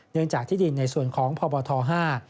เนื่องจากที่ดินในส่วนของพบทห้า